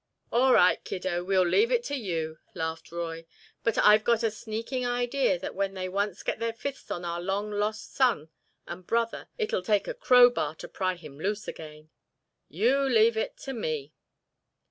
"All right, kiddo, we'll leave it to you," laughed Roy, "but I've got a sneaking idea that when they once get their fists on our long lost son and brother it'll take a crow bar to pry him loose again." "You leave it to me."